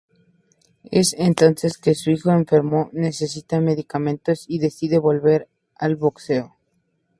Es entonces que su hijo enfermo necesita medicamentos y decide volver al boxeo.